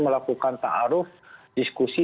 melakukan ta'aruf diskusi